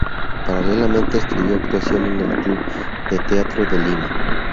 Paralelamente estudió actuación en el Club de Teatro de Lima.